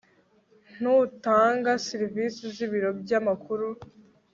n utanga serivisi z ibiro by amakuru